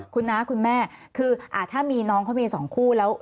คุณน้าคุณแม่คือถ้ามีน้องเขามี๒คู่แล้ว